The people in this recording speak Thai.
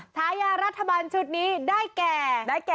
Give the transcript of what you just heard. ชายารัฐบาลชุดนี้ได้แก่